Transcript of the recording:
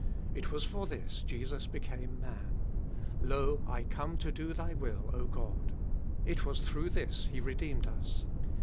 It was for this Jesus became man : Lo> I come to do thy witt, O God. It was through this He redeemed us.